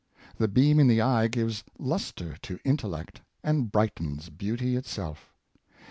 The beam in the eye gives lustre to intellect, and brightens beauty itself.